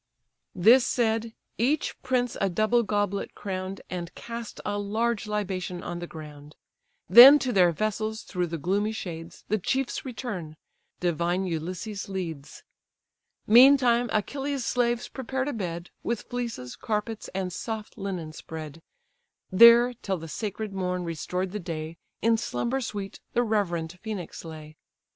This said, each prince a double goblet crown'd, And cast a large libation on the ground; Then to their vessels, through the gloomy shades, The chiefs return; divine Ulysses leads. Meantime Achilles' slaves prepared a bed, With fleeces, carpets, and soft linen spread: There, till the sacred morn restored the day, In slumber sweet the reverend Phœnix lay.